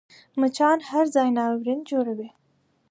مچان هر ځای ناورین جوړوي